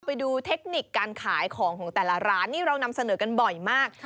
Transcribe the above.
ไปดูเทคนิคการขายของของแต่ละร้านนี่เรานำเสนอกันบ่อยมาก